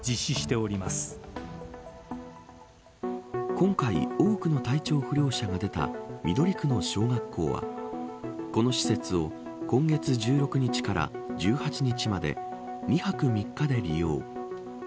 今回多くの体調不良者が出た緑区の小学校はこの施設を今月１６日から１８日まで、２泊３日で利用。